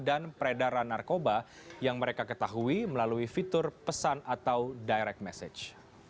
dan peredaran narkoba yang mereka ketahui melalui fitur pesan atau direct message